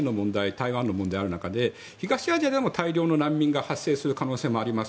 台湾の問題がある中東アジアでも大量の難民が発生する可能性があります。